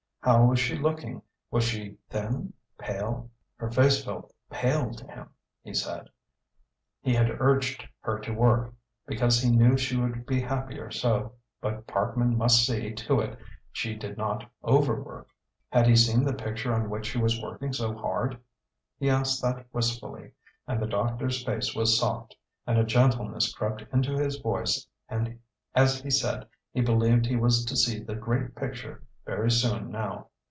How was she looking; was she thin pale? Her face felt pale to him, he said. He had urged her to work, because he knew she would be happier so, but Parkman must see to it she did not overwork. Had he seen the picture on which she was working so hard? He asked that wistfully; and the doctor's face was soft, and a gentleness crept into his voice as he said he believed he was to see the great picture very soon now.